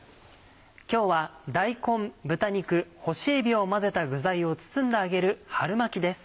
今日は大根豚肉干しえびを混ぜた具材を包んで揚げる春巻きです。